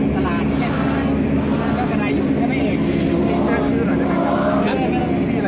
ได้เช่นสมุดทศักดิ์เกเนียด